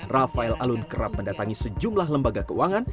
rafael alun kerap mendatangi sejumlah lembaga keuangan